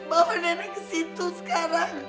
bawa nenek kesitu sekarang